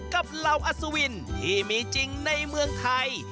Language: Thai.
เหล่าอัศวินที่มีจริงในเมืองไทย